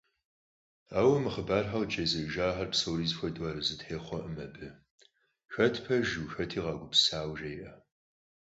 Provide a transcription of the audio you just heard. Ауэ мы хъыбархэр къыджезыӏэжахэр псори зэхуэдэу арэзы техъуэркъым абы, хэт пэжу, хэти къагупсысауэ жеӏэ.